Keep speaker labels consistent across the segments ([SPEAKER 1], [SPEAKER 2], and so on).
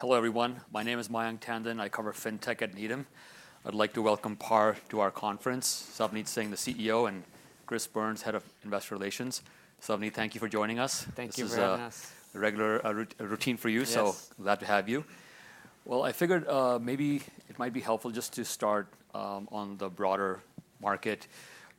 [SPEAKER 1] Hello, everyone. My name is Mayank Tandon. I cover fintech at Needham. I'd like to welcome PAR to our conference, Savneet Singh, the CEO, and Chris Byrnes, Head of Investor Relations. Savneet, thank you for joining us.
[SPEAKER 2] Thank you for having us.
[SPEAKER 1] This is a regular routine for you, so glad to have you. Well, I figured maybe it might be helpful just to start on the broader market,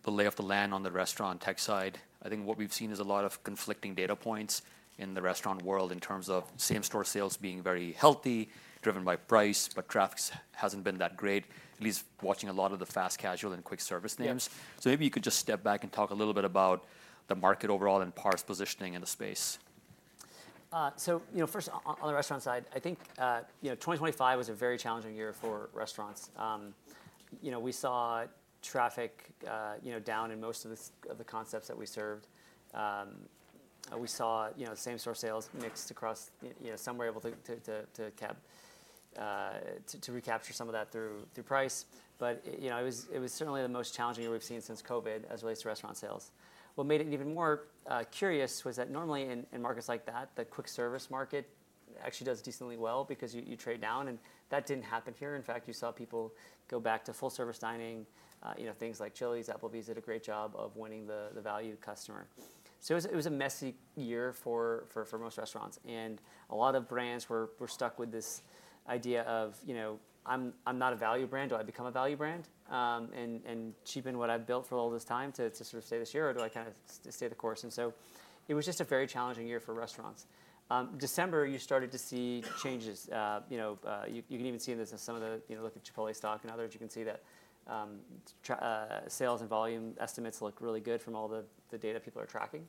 [SPEAKER 1] the lay of the land on the restaurant tech side. I think what we've seen is a lot of conflicting data points in the restaurant world in terms of same-store sales being very healthy, driven by price, but traffic hasn't been that great, at least watching a lot of the fast casual and quick service names. So maybe you could just step back and talk a little bit about the market overall and PAR's positioning in the space?
[SPEAKER 2] So first, on the restaurant side, I think 2025 was a very challenging year for restaurants. We saw traffic down in most of the concepts that we served. We saw same-store sales mixed, across some were able to recapture some of that through price. But it was certainly the most challenging year we've seen since COVID as it relates to restaurant sales. What made it even more curious was that normally in markets like that, the quick service market actually does decently well because you trade down. And that didn't happen here. In fact, you saw people go back to full-service dining. Things like Chili's, Applebee's, did a great job of winning the value customer. So it was a messy year for most restaurants. And a lot of brands were stuck with this idea of, I'm not a value brand. Do I become a value brand? And cheapen what I've built for all this time to sort of stay this year, or do I kind of stay the course? And so it was just a very challenging year for restaurants. December, you started to see changes. You can even see in this some of the look at Chipotle stock and others. You can see that sales and volume estimates look really good from all the data people are tracking.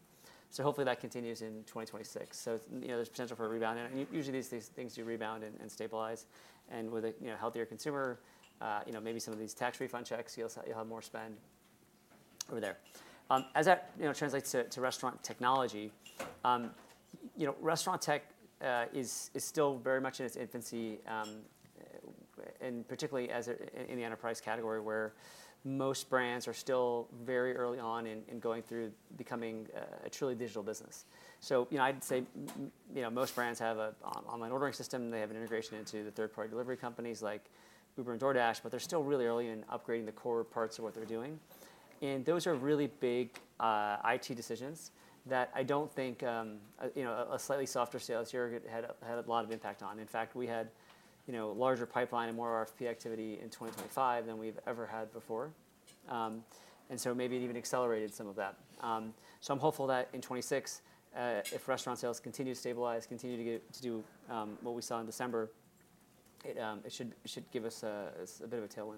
[SPEAKER 2] So hopefully that continues in 2026. So there's potential for a rebound. And usually these things do rebound and stabilize. And with a healthier consumer, maybe some of these tax refund checks, you'll have more spend over there. As that translates to restaurant technology, restaurant tech is still very much in its infancy, and particularly in the enterprise category where most brands are still very early on in going through becoming a truly digital business. So I'd say most brands have an online ordering system. They have an integration into the third-party delivery companies like Uber and DoorDash, but they're still really early in upgrading the core parts of what they're doing. And those are really big IT decisions that I don't think a slightly softer sales year had a lot of impact on. In fact, we had a larger pipeline and more RFP activity in 2025 than we've ever had before. And so maybe it even accelerated some of that. So I'm hopeful that in 2026, if restaurant sales continue to stabilize, continue to do what we saw in December, it should give us a bit of a tailwind.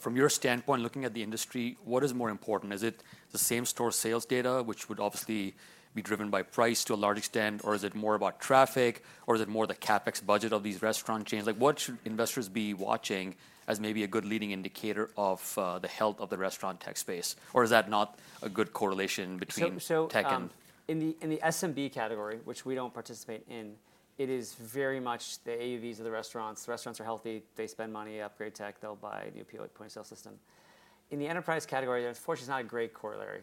[SPEAKER 1] From your standpoint, looking at the industry, what is more important? Is it the same-store sales data, which would obviously be driven by price to a large extent, or is it more about traffic, or is it more the CapEx budget of these restaurant chains? What should investors be watching as maybe a good leading indicator of the health of the restaurant tech space? Or is that not a good correlation between tech and.
[SPEAKER 2] In the SMB category, which we don't participate in, it is very much the AUVs of the restaurants. The restaurants are healthy. They spend money, upgrade tech, they'll buy the appeal of point of sale system. In the enterprise category, unfortunately, it's not a great corollary.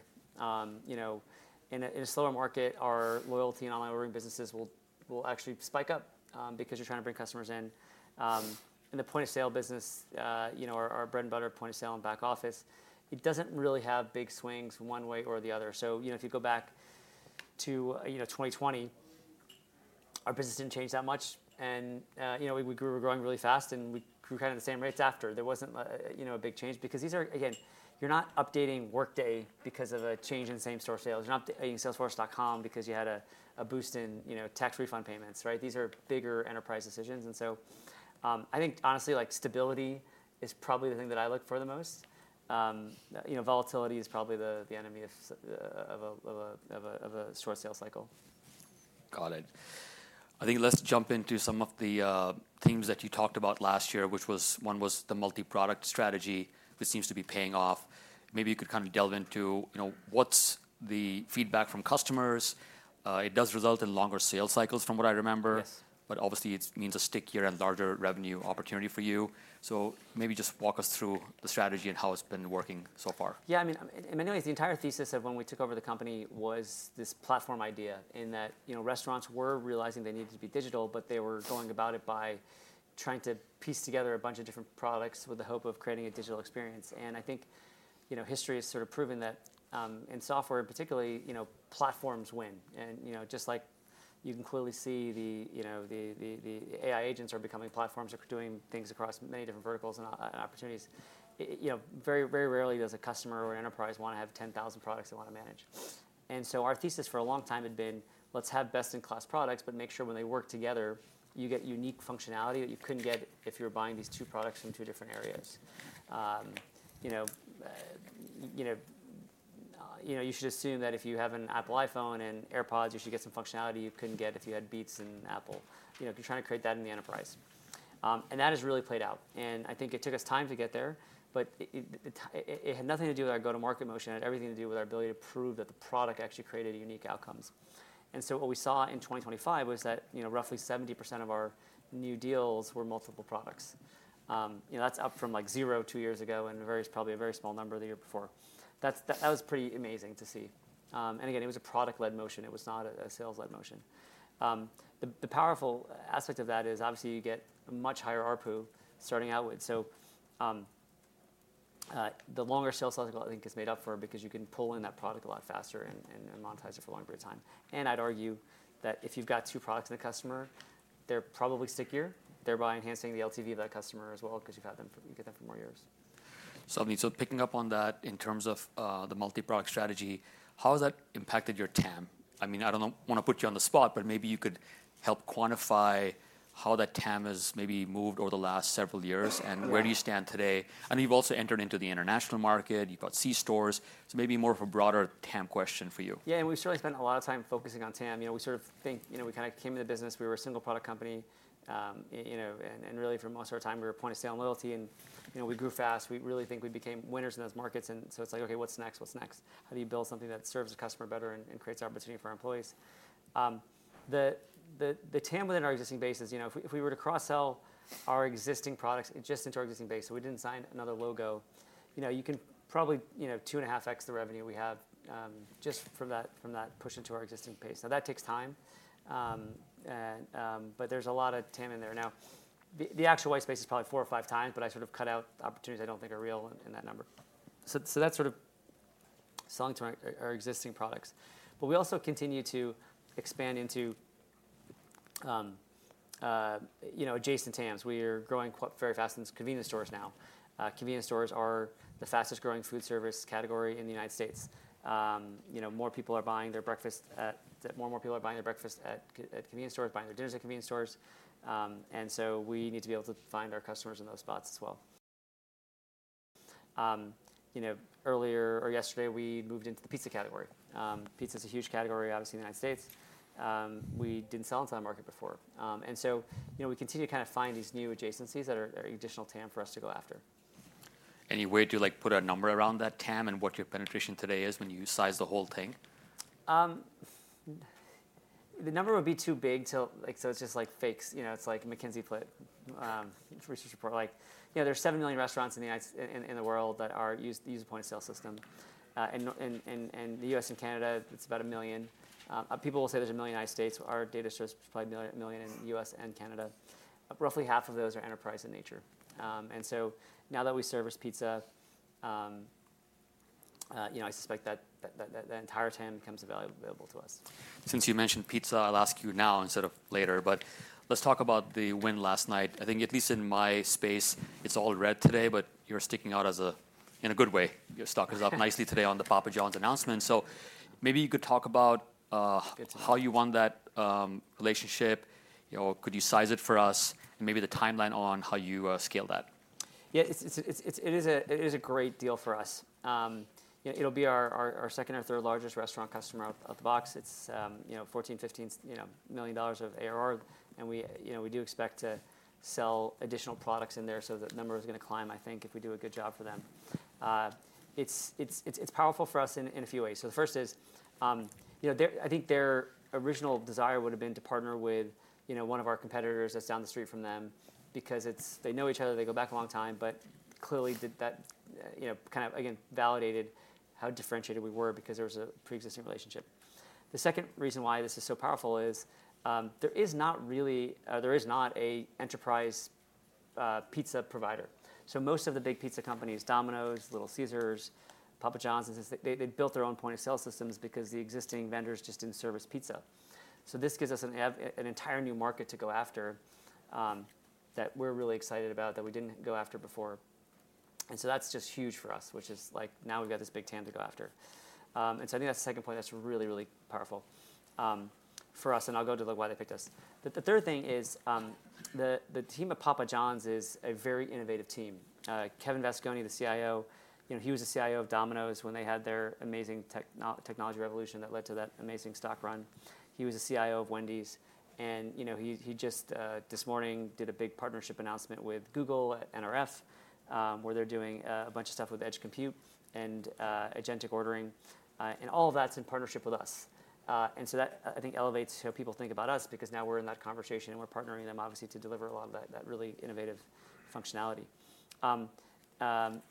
[SPEAKER 2] In a slower market, our loyalty and online ordering businesses will actually spike up because you're trying to bring customers in. In the point of sale business, our bread and butter point of sale and back office, it doesn't really have big swings one way or the other. So if you go back to 2020, our business didn't change that much. And we grew, we're growing really fast, and we grew kind of the same rates after. There wasn't a big change because these are, again, you're not updating Workday because of a change in same-store sales. You're not updating Salesforce.com because you had a boost in tax refund payments, right? These are bigger enterprise decisions. And so I think, honestly, stability is probably the thing that I look for the most. Volatility is probably the enemy of a slower sales cycle.
[SPEAKER 1] Got it. I think let's jump into some of the themes that you talked about last year, which one was the multi-product strategy, which seems to be paying off. Maybe you could kind of delve into what's the feedback from customers. It does result in longer sales cycles from what I remember, but obviously it means a stickier and larger revenue opportunity for you. So maybe just walk us through the strategy and how it's been working so far?
[SPEAKER 2] Yeah, I mean, in many ways, the entire thesis of when we took over the company was this platform idea in that restaurants were realizing they needed to be digital, but they were going about it by trying to piece together a bunch of different products with the hope of creating a digital experience, and I think history has sort of proven that in software, particularly, platforms win, and just like you can clearly see, the AI agents are becoming platforms. They're doing things across many different verticals and opportunities. Very rarely does a customer or an enterprise want to have 10,000 products they want to manage, and so our thesis for a long time had been, let's have best-in-class products, but make sure when they work together, you get unique functionality that you couldn't get if you were buying these two products from two different areas. You should assume that if you have an Apple iPhone and AirPods, you should get some functionality you couldn't get if you had Beats and Apple. You're trying to create that in the enterprise. And that has really played out. And I think it took us time to get there, but it had nothing to do with our go-to-market motion. It had everything to do with our ability to prove that the product actually created unique outcomes. And so what we saw in 2025 was that roughly 70% of our new deals were multiple products. That's up from like zero two years ago and probably a very small number the year before. That was pretty amazing to see. And again, it was a product-led motion. It was not a sales-led motion. The powerful aspect of that is obviously you get a much higher ARPU starting out with. The longer sales cycle, I think, is made up for because you can pull in that product a lot faster and monetize it for a long period of time. I'd argue that if you've got two products in the customer, they're probably stickier. Thereby enhancing the LTV of that customer as well because you get them for more years.
[SPEAKER 1] Picking up on that in terms of the multi-product strategy, how has that impacted your TAM? I mean, I don't want to put you on the spot, but maybe you could help quantify how that TAM has maybe moved over the last several years and where do you stand today? I know you've also entered into the international market. You've got C-stores. So maybe more of a broader TAM question for you.
[SPEAKER 2] Yeah, and we've certainly spent a lot of time focusing on TAM. We sort of think we kind of came into the business. We were a single-product company. And really, for most of our time, we were point of sale and loyalty. And we grew fast. We really think we became winners in those markets. And so it's like, OK, what's next? What's next? How do you build something that serves the customer better and creates opportunity for our employees? The TAM within our existing base is if we were to cross-sell our existing products just into our existing base so we didn't sign another logo, you can probably two and a half X the revenue we have just from that push into our existing base. Now, that takes time, but there's a lot of TAM in there. Now, the actual white space is probably four or five times, but I sort of cut out opportunities I don't think are real in that number, so that's sort of selling to our existing products, but we also continue to expand into adjacent TAMs. We are growing very fast in convenience stores now. Convenience stores are the fastest growing food service category in the United States. More people are buying their breakfast at convenience stores, buying their dinners at convenience stores, and so we need to be able to find our customers in those spots as well. Earlier or yesterday, we moved into the pizza category. Pizza is a huge category, obviously, in the United States. We didn't sell into that market before. And so we continue to kind of find these new adjacencies that are additional TAM for us to go after.
[SPEAKER 1] Any way to put a number around that TAM and what your penetration today is when you size the whole thing?
[SPEAKER 2] The number would be too big, so it's just like facts. It's like McKinsey put out a research report. There's seven million restaurants in the world that use the point of sale system. In the U.S. and Canada, it's about a million. People will say there's a million United States. Our data shows probably a million in the U.S. and Canada. Roughly half of those are enterprise in nature. And so now that we service pizza, I suspect that the entire TAM becomes available to us.
[SPEAKER 1] Since you mentioned pizza, I'll ask you now instead of later. But let's talk about the win last night. I think at least in my space, it's all red today, but you're sticking out in a good way. Your stock is up nicely today on the Papa John's announcement. So maybe you could talk about how you won that relationship. Could you size it for us and maybe the timeline on how you scale that?
[SPEAKER 2] Yeah, it is a great deal for us. It'll be our second or third largest restaurant customer out of the box. It's $14 million-$15 million of ARR. And we do expect to sell additional products in there. So the number is going to climb, I think, if we do a good job for them. It's powerful for us in a few ways. So the first is I think their original desire would have been to partner with one of our competitors that's down the street from them because they know each other. They go back a long time. But clearly, that kind of, again, validated how differentiated we were because there was a pre-existing relationship. The second reason why this is so powerful is there is not an enterprise pizza provider. So most of the big pizza companies, Domino's, Little Caesars, Papa John's, they built their own point of sale systems because the existing vendors just didn't service pizza. So this gives us an entire new market to go after that we're really excited about that we didn't go after before. And so that's just huge for us, which is like now we've got this big TAM to go after. And so I think that's the second point that's really, really powerful for us. And I'll go to why they picked us. The third thing is the team at Papa John's is a very innovative team. Kevin Vasconi, the CIO, he was the CIO of Domino's when they had their amazing technology revolution that led to that amazing stock run. He was the CIO of Wendy's. He just this morning did a big partnership announcement with Google at NRF, where they're doing a bunch of stuff with edge compute and agentic ordering. And all of that's in partnership with us. And so that, I think, elevates how people think about us because now we're in that conversation. And we're partnering with them, obviously, to deliver a lot of that really innovative functionality.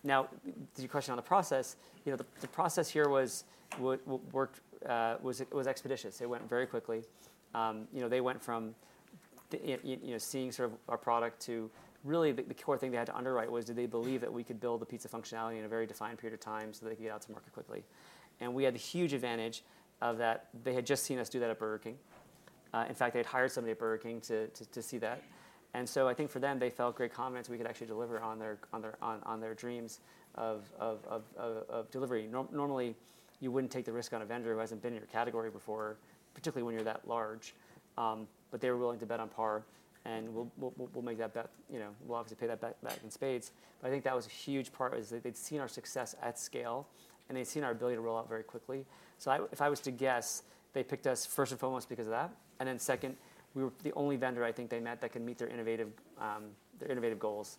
[SPEAKER 2] Now, the question on the process, the process here was expeditious. It went very quickly. They went from seeing sort of our product to really the core thing they had to underwrite was, did they believe that we could build the pizza functionality in a very defined period of time so they could get out to market quickly? And we had the huge advantage of that they had just seen us do that at Burger King. In fact, they had hired somebody at Burger King to see that. And so I think for them, they felt great confidence we could actually deliver on their dreams of delivery. Normally, you wouldn't take the risk on a vendor who hasn't been in your category before, particularly when you're that large. But they were willing to bet on PAR. And we'll make that bet. We'll obviously pay that back in spades. But I think that was a huge part is they'd seen our success at scale. And they'd seen our ability to roll out very quickly. So if I was to guess, they picked us first and foremost because of that. And then second, we were the only vendor, I think, they met that could meet their innovative goals.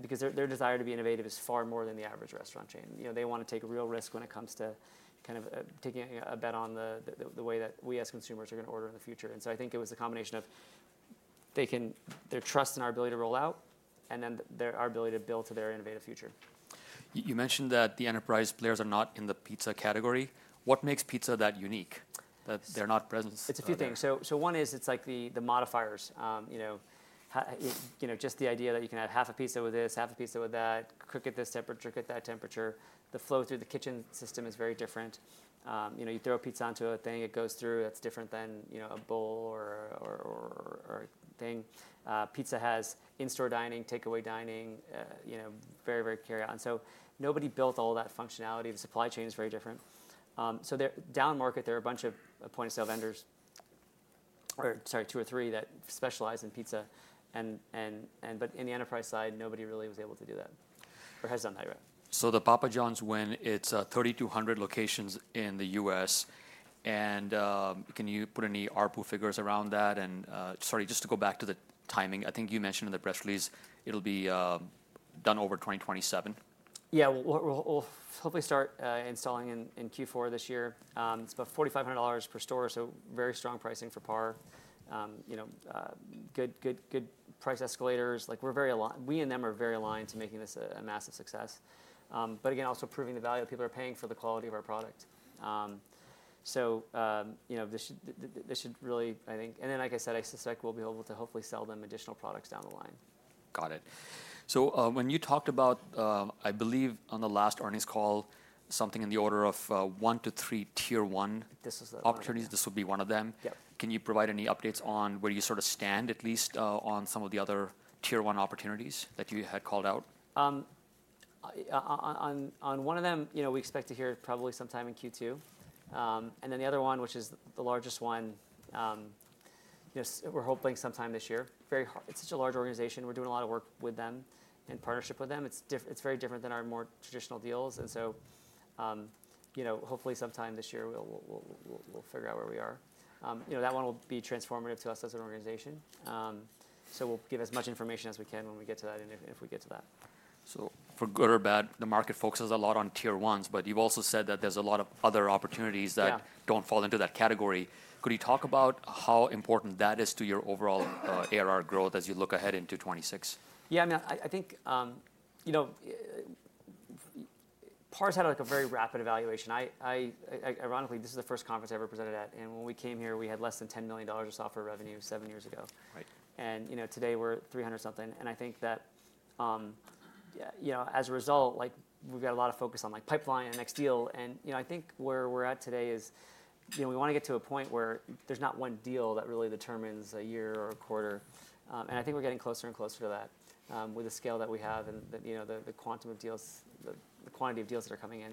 [SPEAKER 2] Because their desire to be innovative is far more than the average restaurant chain. They want to take a real risk when it comes to kind of taking a bet on the way that we as consumers are going to order in the future, and so I think it was a combination of their trust in our ability to roll out and then our ability to build to their innovative future.
[SPEAKER 1] You mentioned that the enterprise players are not in the pizza category. What makes pizza that unique that they're not present?
[SPEAKER 2] It's a few things. So one is it's like the modifiers. Just the idea that you can have half a pizza with this, half a pizza with that, cook at this temperature, cook at that temperature. The flow through the kitchen system is very different. You throw a pizza onto a thing. It goes through. That's different than a bowl or thing. Pizza has in-store dining, takeaway dining, very, very carryout. So nobody built all that functionality. The supply chain is very different. So down market, there are a bunch of point of sale vendors, or sorry, two or three that specialize in pizza. But in the enterprise side, nobody really was able to do that or has done that yet.
[SPEAKER 1] So the Papa John's win, it's 3,200 locations in the U.S. And can you put any ARPU figures around that? And sorry, just to go back to the timing, I think you mentioned in the press release, it'll be done over 2027.
[SPEAKER 2] Yeah, we'll hopefully start installing in Q4 this year. It's about $4,500 per store, so very strong pricing for PAR. Good price escalators. We and them are very aligned to making this a massive success. But again, also proving the value that people are paying for the quality of our product. So this should really, I think. And then, like I said, I suspect we'll be able to hopefully sell them additional products down the line.
[SPEAKER 1] Got it. So when you talked about, I believe, on the last earnings call, something in the order of one to three Tier-1 opportunities, this would be one of them. Can you provide any updates on where you sort of stand, at least on some of the other tier one opportunities that you had called out?
[SPEAKER 2] On one of them, we expect to hear probably sometime in Q2, and then the other one, which is the largest one, we're hoping sometime this year. It's such a large organization. We're doing a lot of work with them in partnership with them. It's very different than our more traditional deals, and so hopefully sometime this year, we'll figure out where we are. That one will be transformative to us as an organization, so we'll give as much information as we can when we get to that, and if we get to that.
[SPEAKER 1] So for good or bad, the market focuses a lot on Tier-1s. But you've also said that there's a lot of other opportunities that don't fall into that category. Could you talk about how important that is to your overall ARR growth as you look ahead into 2026?
[SPEAKER 2] Yeah, I mean, I think PAR's had a very rapid evaluation. Ironically, this is the first conference I've ever presented at. When we came here, we had less than $10 million of software revenue seven years ago. And today, we're at 300 something. And I think that as a result, we've got a lot of focus on pipeline and next deal. And I think where we're at today is we want to get to a point where there's not one deal that really determines a year or a quarter. And I think we're getting closer and closer to that with the scale that we have and the quantum of deals, the quantity of deals that are coming in.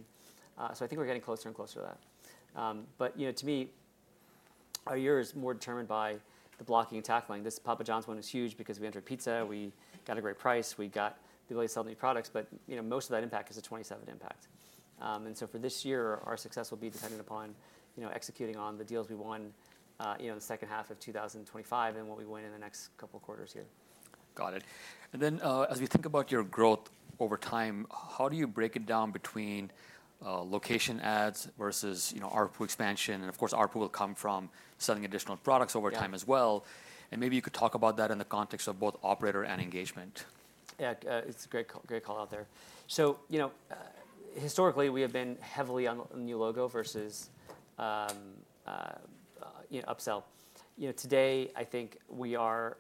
[SPEAKER 2] So I think we're getting closer and closer to that. But to me, our year is more determined by the blocking and tackling. This Papa John's one was huge because we entered pizza. We got a great price. We got the ability to sell new products. But most of that impact is a 2027 impact. And so for this year, our success will be dependent upon executing on the deals we won in the second half of 2025 and what we win in the next couple of quarters here.
[SPEAKER 1] Got it. And then as we think about your growth over time, how do you break it down between location adds versus ARPU expansion? And of course, ARPU will come from selling additional products over time as well. And maybe you could talk about that in the context of both Operator and Engagement?
[SPEAKER 2] Yeah, it's a great call out there. So historically, we have been heavily on the new logo versus upsell. Today, I think we are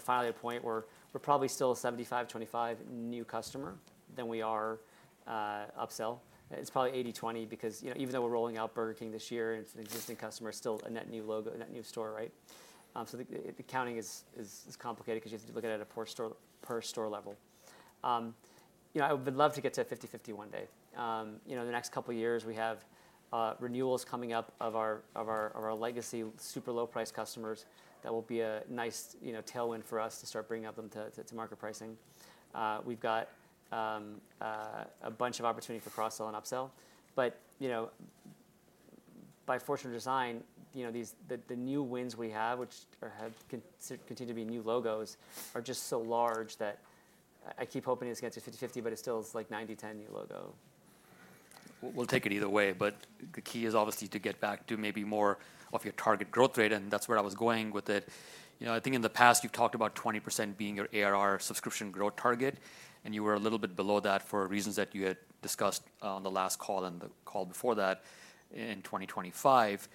[SPEAKER 2] finally at a point where we're probably still a 75/25 new customer than we are upsell. It's probably 80/20 because even though we're rolling out Burger King this year and it's an existing customer, it's still a net new logo, net new store, right? So the accounting is complicated because you have to look at it at a per-store level. I would love to get to 50/50 one day. In the next couple of years, we have renewals coming up of our legacy super low-priced customers that will be a nice tailwind for us to start bringing up them to market pricing. We've got a bunch of opportunity for cross-sell and upsell. But by fortune of design, the new wins we have, which continue to be new logos, are just so large that I keep hoping it's going to get to 50/50, but it's still like 90/10 new logo.
[SPEAKER 1] We'll take it either way. But the key is obviously to get back to maybe more of your target growth rate. And that's where I was going with it. I think in the past, you've talked about 20% being your ARR subscription growth target. And you were a little bit below that for reasons that you had discussed on the last call and the call before that in 2025.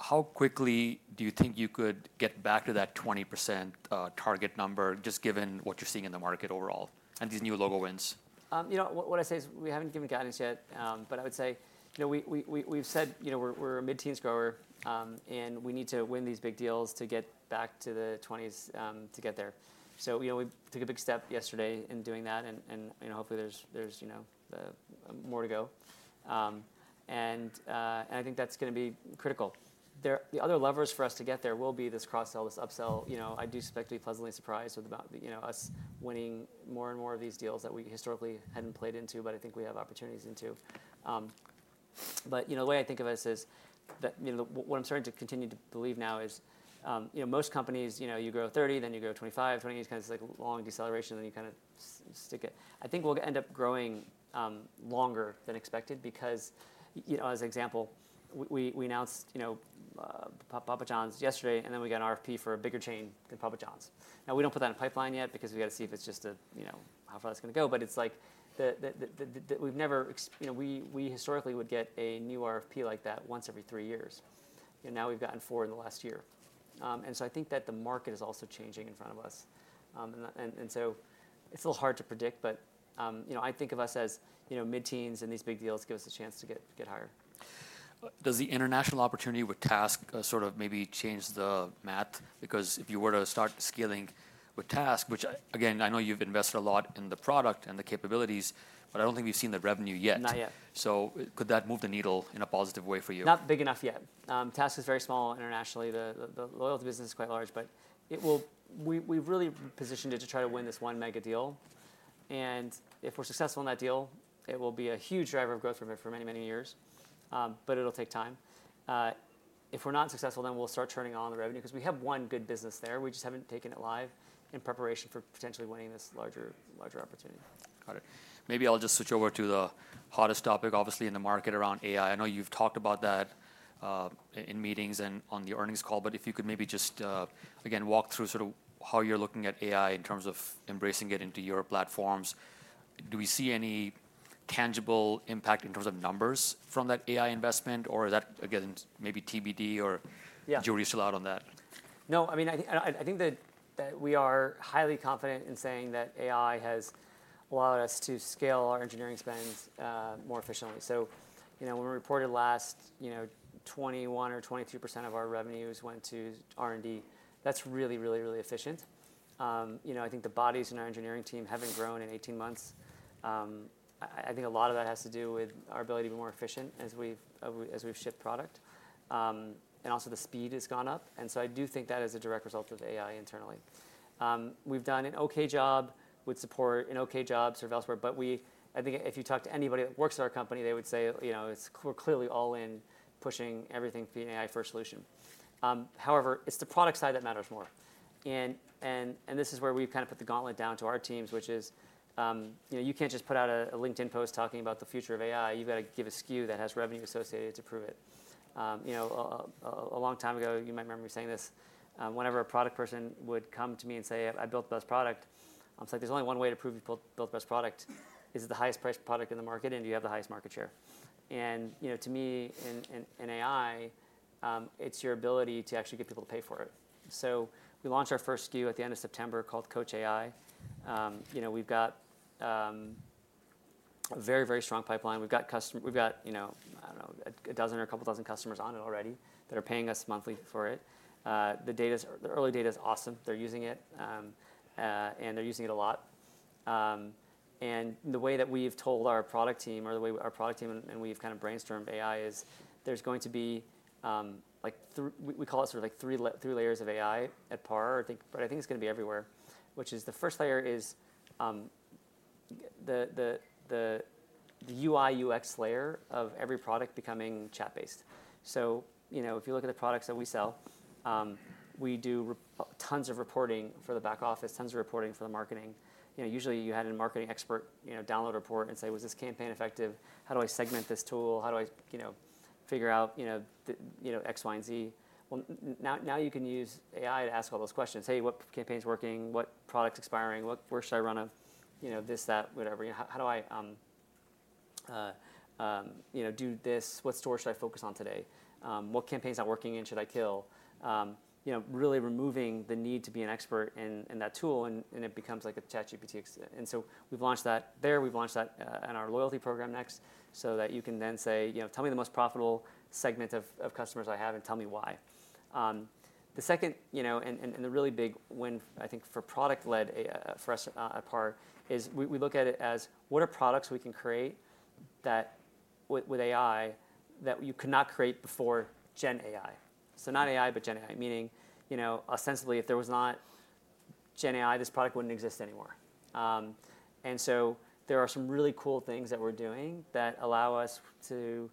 [SPEAKER 1] How quickly do you think you could get back to that 20% target number, just given what you're seeing in the market overall and these new logo wins?
[SPEAKER 2] What I say is we haven't given guidance yet. But I would say we've said we're a mid-teens grower. And we need to win these big deals to get back to the 20s to get there. So we took a big step yesterday in doing that. And hopefully, there's more to go. And I think that's going to be critical. The other levers for us to get there will be this cross-sell, this upsell. I do expect to be pleasantly surprised with us winning more and more of these deals that we historically hadn't played into. But I think we have opportunities into. But the way I think of this is that what I'm starting to continue to believe now is most companies, you grow 30, then you grow 25, 20, kind of this long deceleration. Then you kind of stick it. I think we'll end up growing longer than expected because, as an example, we announced Papa John's yesterday, and then we got an RFP for a bigger chain than Papa John's. Now, we don't put that in pipeline yet because we've got to see if it's just how far that's going to go, but it's like we've never historically would get a new RFP like that once every three years, and now we've gotten four in the last year, and so I think that the market is also changing in front of us, and so it's a little hard to predict, but I think of us as mid-teens, and these big deals give us a chance to get higher.
[SPEAKER 1] Does the international opportunity with TASK sort of maybe change the math? Because if you were to start scaling with TASK, which again, I know you've invested a lot in the product and the capabilities, but I don't think we've seen the revenue yet.
[SPEAKER 2] Not yet.
[SPEAKER 1] So could that move the needle in a positive way for you?
[SPEAKER 2] Not big enough yet. TASK is very small internationally. The loyalty business is quite large. But we've really positioned it to try to win this one mega deal. And if we're successful in that deal, it will be a huge driver of growth for many, many years. But it'll take time. If we're not successful, then we'll start turning on the revenue because we have one good business there. We just haven't taken it live in preparation for potentially winning this larger opportunity.
[SPEAKER 1] Got it. Maybe I'll just switch over to the hottest topic, obviously, in the market around AI. I know you've talked about that in meetings and on the earnings call. But if you could maybe just, again, walk through sort of how you're looking at AI in terms of embracing it into your platforms. Do we see any tangible impact in terms of numbers from that AI investment? Or is that, again, maybe TBD? Or are you still out on that?
[SPEAKER 2] No. I mean, I think that we are highly confident in saying that AI has allowed us to scale our engineering spends more efficiently. So when we reported last, 21% or 23% of our revenues went to R&D. That's really, really, really efficient. I think the bodies in our engineering team haven't grown in 18 months. I think a lot of that has to do with our ability to be more efficient as we've shipped product. And also, the speed has gone up. And so I do think that is a direct result of AI internally. We've done an OK job with support, an OK job, sort of elsewhere. But I think if you talk to anybody that works at our company, they would say we're clearly all in pushing everything to be an AI-first solution. However, it's the product side that matters more. This is where we've kind of put the gauntlet down to our teams, which is you can't just put out a LinkedIn post talking about the future of AI. You've got to give a SKU that has revenue associated to prove it. A long time ago, you might remember me saying this. Whenever a product person would come to me and say, I built the best product, I'm like, there's only one way to prove you built the best product. Is it the highest priced product in the market? And do you have the highest market share? And to me, in AI, it's your ability to actually get people to pay for it. So we launched our first SKU at the end of September called Coach AI. We've got a very, very strong pipeline. We've got, I don't know, a dozen or a couple dozen customers on it already that are paying us monthly for it. The early data is awesome. They're using it. And they're using it a lot. And the way that we've told our product team, or the way our product team and we've kind of brainstormed AI, is there's going to be we call it sort of like three layers of AI at PAR. But I think it's going to be everywhere. Which is the first layer is the UI/UX layer of every product becoming chat-based. So if you look at the products that we sell, we do tons of reporting for the back office, tons of reporting for the marketing. Usually, you had a marketing expert download a report and say, was this campaign effective? How do I segment this tool? How do I figure out X, Y, and Z? Well, now you can use AI to ask all those questions. Hey, what campaign is working? What product is expiring? Where should I run a this, that, whatever? How do I do this? What store should I focus on today? What campaign is that working and should I kill? Really removing the need to be an expert in that tool. And it becomes like a ChatGPT. And so we've launched that there. We've launched that in our loyalty program next so that you can then say, tell me the most profitable segment of customers I have, and tell me why. The second, and the really big win, I think, for product-led for us at PAR is we look at it as what are products we can create with AI that you could not create before GenAI. So not AI, but GenAI, meaning ostensibly, if there was not GenAI, this product wouldn't exist anymore. And so there are some really cool things that we're doing that allow us to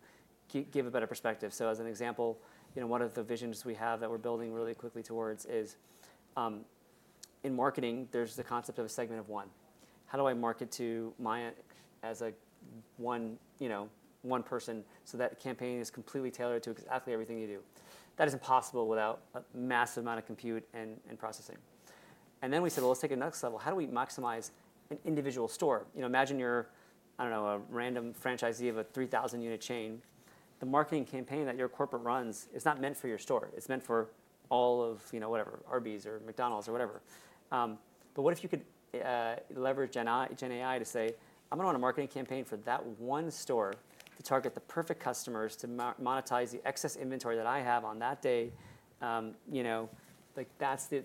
[SPEAKER 2] give a better perspective. So as an example, one of the visions we have that we're building really quickly towards is in marketing, there's the concept of a segment of one. How do I market to my as a one person so that campaign is completely tailored to exactly everything you do? That is impossible without a massive amount of compute and processing. And then we said, well, let's take it to the next level. How do we maximize an individual store? Imagine you're, I don't know, a random franchisee of a 3,000-unit chain. The marketing campaign that your corporate runs is not meant for your store. It's meant for all of whatever, Arby's or McDonald's or whatever. But what if you could leverage GenAI to say, I'm going to run a marketing campaign for that one store to target the perfect customers to monetize the excess inventory that I have on that day? That's the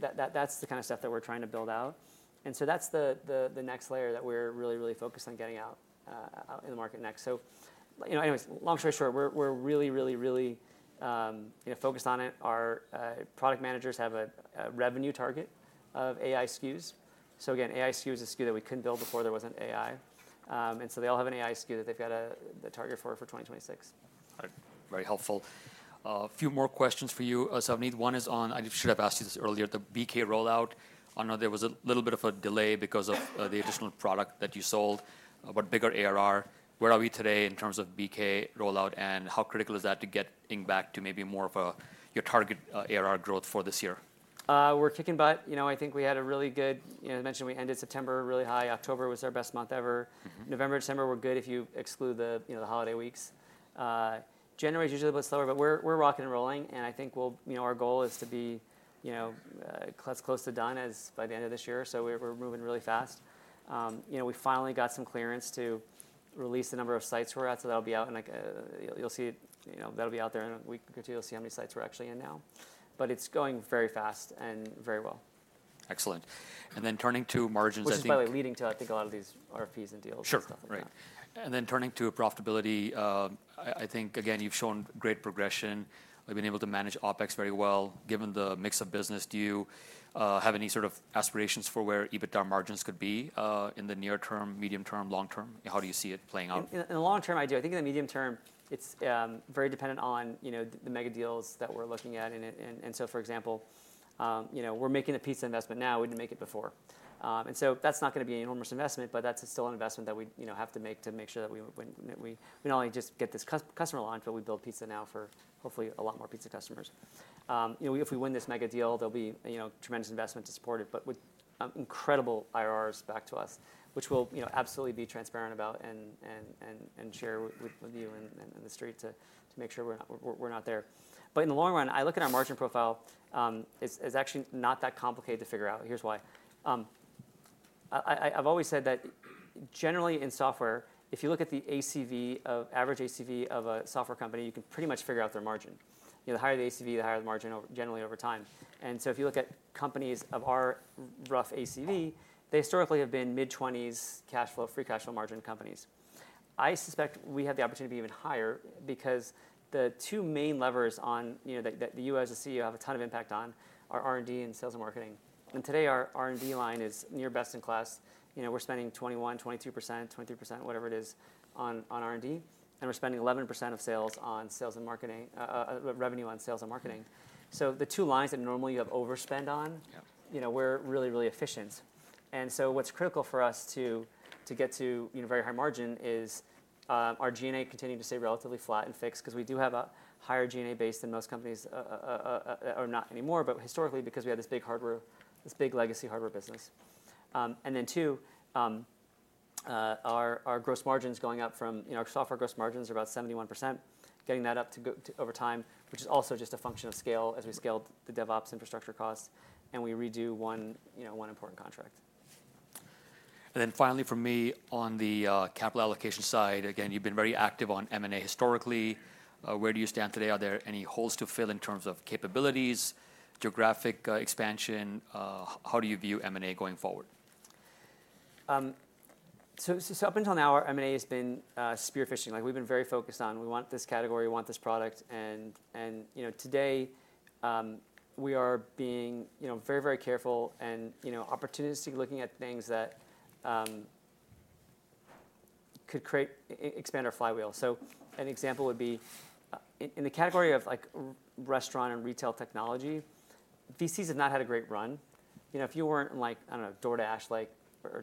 [SPEAKER 2] kind of stuff that we're trying to build out. And so that's the next layer that we're really, really focused on getting out in the market next. So anyways, long story short, we're really, really, really focused on it. Our product managers have a revenue target of AI SKUs. So again, AI SKU is a SKU that we couldn't build before there wasn't AI. And so they all have an AI SKU that they've got a target for 2026.
[SPEAKER 1] Very helpful. A few more questions for you, Savneet. One is on, I should have asked you this earlier, the BK rollout. I know there was a little bit of a delay because of the additional product that you sold, but bigger ARR. Where are we today in terms of BK rollout? And how critical is that to getting back to maybe more of your target ARR growth for this year?
[SPEAKER 2] We're kicking butt. I think we had a really good, as I mentioned, we ended September really high. October was our best month ever. November, December were good if you exclude the holiday weeks. January is usually a little bit slower, but we're rocking and rolling, and I think our goal is to be as close to done as by the end of this year. So we're moving really fast. We finally got some clearance to release the number of sites we're at. So that'll be out, in like a, you'll see, that'll be out there in a week or two. You'll see how many sites we're actually in now, but it's going very fast and very well.
[SPEAKER 1] Excellent. And then turning to margins.
[SPEAKER 2] Which is probably leading to, I think, a lot of these RFPs and deals.
[SPEAKER 1] Sure. Right. And then turning to profitability, I think, again, you've shown great progression. You've been able to manage OpEx very well. Given the mix of business, do you have any sort of aspirations for where EBITDA margins could be in the near term, medium term, long term? How do you see it playing out?
[SPEAKER 2] In the long term, I do. I think in the medium term, it's very dependent on the mega deals that we're looking at. And so, for example, we're making a pizza investment now. We didn't make it before. And so that's not going to be an enormous investment. But that's still an investment that we have to make to make sure that we not only just get this customer launch, but we build pizza now for hopefully a lot more pizza customers. If we win this mega deal, there'll be a tremendous investment to support it, but with incredible IRRs back to us, which we'll absolutely be transparent about and share with you and the street to make sure we're not there. But in the long run, I look at our margin profile. It's actually not that complicated to figure out. Here's why. I've always said that generally in software, if you look at the ACV, average ACV of a software company, you can pretty much figure out their margin. The higher the ACV, the higher the margin generally over time. And so if you look at companies of our rough ACV, they historically have been mid-20s cash flow, free cash flow margin companies. I suspect we have the opportunity to be even higher because the two main levers that you as a CEO have a ton of impact on are R&D and sales and marketing. And today, our R&D line is near best in class. We're spending 21%, 22%, 23%, whatever it is on R&D. And we're spending 11% of sales on sales and marketing, revenue on sales and marketing. So the two lines that normally you have overspend on, we're really, really efficient. And so what's critical for us to get to very high margin is our G&A continuing to stay relatively flat and fixed because we do have a higher G&A base than most companies or not anymore. But historically, because we had this big hardware, this big legacy hardware business. And then too, our gross margins going up from our software gross margins are about 71%, getting that up over time, which is also just a function of scale as we scale the DevOps infrastructure cost. And we redo one important contract.
[SPEAKER 1] Then finally, for me, on the capital allocation side, again, you've been very active on M&A historically. Where do you stand today? Are there any holes to fill in terms of capabilities, geographic expansion? How do you view M&A going forward?
[SPEAKER 2] Up until now, our M&A has been spear phishing. We've been very focused on we want this category, we want this product. And today, we are being very, very careful and opportunistically looking at things that could expand our flywheel. So an example would be in the category of restaurant and retail technology. VCs have not had a great run. If you weren't like, I don't know, DoorDash or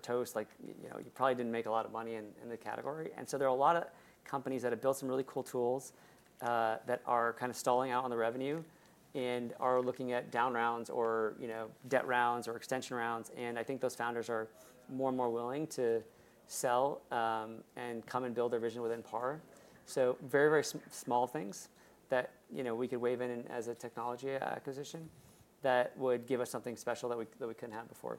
[SPEAKER 2] Toast, you probably didn't make a lot of money in the category. And so there are a lot of companies that have built some really cool tools that are kind of stalling out on the revenue and are looking at down rounds or debt rounds or extension rounds. And I think those founders are more and more willing to sell and come and build their vision within PAR. Very, very small things that we could wave in as a technology acquisition that would give us something special that we couldn't have before.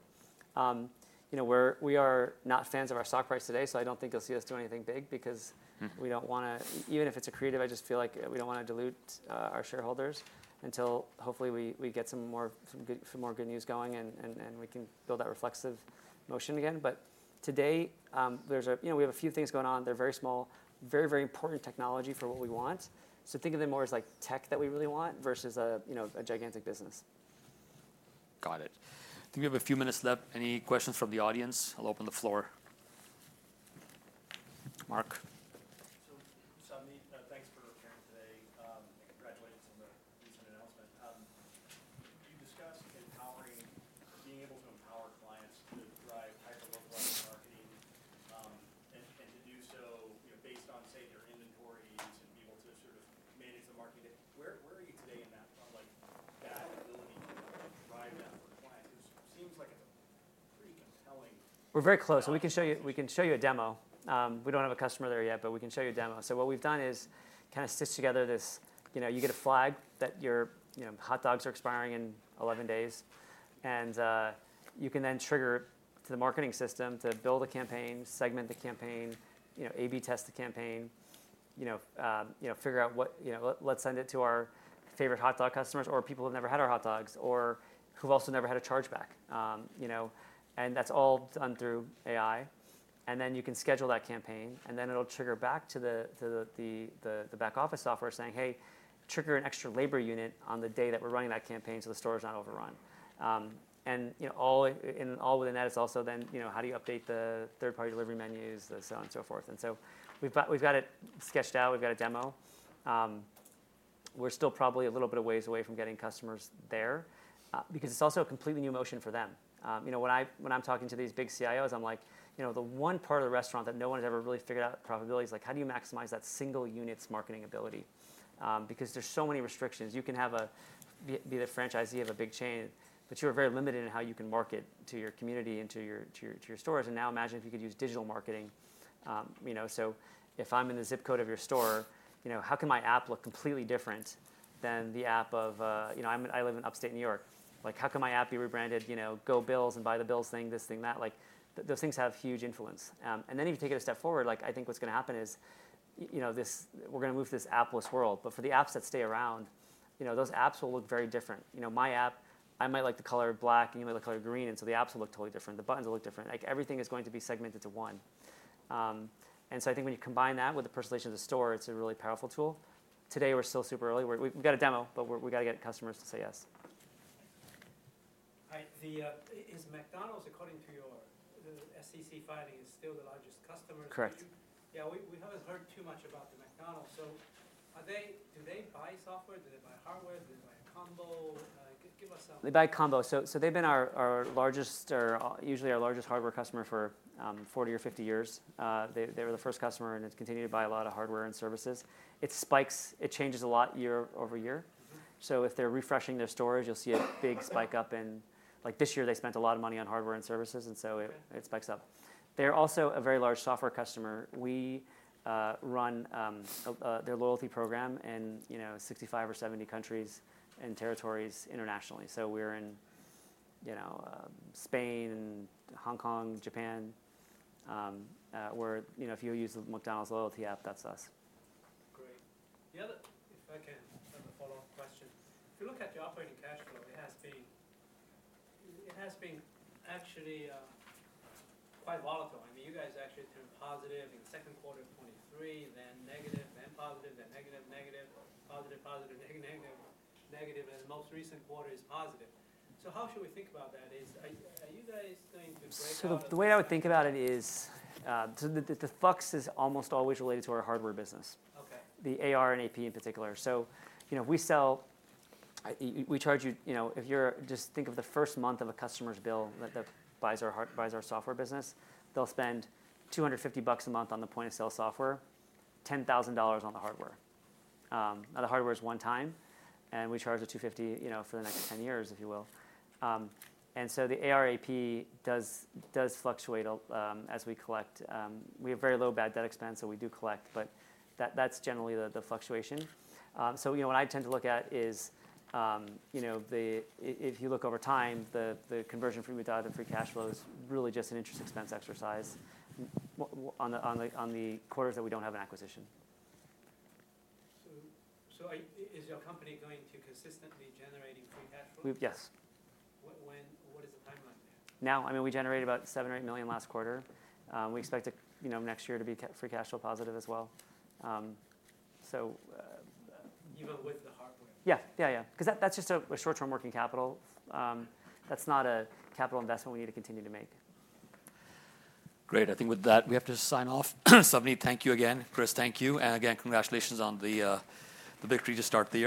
[SPEAKER 2] We are not fans of our stock price today. I don't think you'll see us do anything big because we don't want to, even if it's a creative. I just feel like we don't want to dilute our shareholders until hopefully we get some more good news going and we can build that reflexive motion again. Today, we have a few things going on. They're very small, very, very important technology for what we want. Think of them more as like tech that we really want versus a gigantic business.
[SPEAKER 1] Got it. I think we have a few minutes left. Any questions from the audience? I'll open the floor. Mark? Savneet, thanks for appearing today. Congratulations on the recent announcement. You discussed being able to empower clients to drive hyper-localized marketing and to do so based on, say, their inventories and be able to sort of manage the market. Where are you today in that, like that ability to drive that for clients? It seems like it's a pretty compelling.
[SPEAKER 2] We're very close. We can show you a demo. We don't have a customer there yet, but we can show you a demo. So what we've done is kind of stitch together this. You get a flag that your hot dogs are expiring in 11 days. And you can then trigger to the marketing system to build a campaign, segment the campaign, A/B test the campaign, figure out what, let's send it to our favorite hot dog customers or people who have never had our hot dogs or who've also never had a chargeback. And that's all done through AI. And then you can schedule that campaign. And then it'll trigger back to the back office software saying, hey, trigger an extra labor unit on the day that we're running that campaign so the store is not overrun. And all within that is also then how do you update the third-party delivery menus, so on and so forth. And so we've got it sketched out. We've got a demo. We're still probably a little bit of ways away from getting customers there because it's also a completely new motion for them. When I'm talking to these big CIOs, I'm like, the one part of the restaurant that no one has ever really figured out the profitability is like, how do you maximize that single unit's marketing ability? Because there's so many restrictions. You can be the franchisee of a big chain, but you are very limited in how you can market to your community and to your stores. And now imagine if you could use digital marketing. If I'm in the zip code of your store, how can my app look completely different than the app if I live in Upstate New York? How can my app be rebranded, Go Bills and Buffalo Bills thing, this thing, that? Those things have huge influence. Then if you take it a step forward, I think what's going to happen is we're going to move to this app-less world. But for the apps that stay around, those apps will look very different. My app, I might like the color black, and you might like the color green. And so the apps will look totally different. The buttons will look different. Everything is going to be segment of one. And so I think when you combine that with the personalization of the store, it's a really powerful tool. Today, we're still super early. We've got a demo, but we've got to get customers to say yes. Is McDonald's, according to your SEC filing, still the largest customer? Correct. Yeah, we haven't heard too much about the McDonald's. So do they buy software? Do they buy hardware? Do they buy a combo? Give us some. They buy combo. So they've been usually our largest hardware customer for 40 or 50 years. They were the first customer, and it's continued to buy a lot of hardware and services. It spikes. It changes a lot year over year. So if they're refreshing their storage, you'll see a big spike up. And like this year, they spent a lot of money on hardware and services. And so it spikes up. They're also a very large software customer. We run their loyalty program in 65 or 70 countries and territories internationally. So we're in Spain, Hong Kong, Japan. If you use the McDonald's loyalty app, that's us. Great. If I can have a follow-up question. If you look at your operating cash flow, it has been actually quite volatile. I mean, you guys actually turned positive in the second quarter of 2023, then negative, then positive, then negative, negative, positive, positive, negative, negative, and the most recent quarter is positive. So how should we think about that? Are you guys going to break out? The way I would think about it is the flux is almost always related to our hardware business, the AR and AP in particular. So we charge you if you just think of the first month of a customer's bill that buys our software business. They'll spend $250 a month on the point of sale software, $10,000 on the hardware. Now, the hardware is one time. And we charge the $250 for the next 10 years, if you will. And so the AR/AP does fluctuate as we collect. We have very low bad debt expense, so we do collect. But that's generally the fluctuation. What I tend to look at is if you look over time, the conversion from EBITDA to free cash flow is really just an interest expense exercise on the quarters that we don't have an acquisition. So is your company going to consistently generate free cash flow? Yes. What is the timeline there? Now, I mean, we generated about $7 million or $8 million last quarter. We expect next year to be free cash flow positive as well. So. Even with the hardware? Yeah, yeah, yeah. Because that's just a short-term working capital. That's not a capital investment we need to continue to make.
[SPEAKER 1] Great. I think with that, we have to sign off. Savneet, thank you again. Chris, thank you. And again, congratulations on the big creative start there.